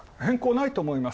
ないと思います。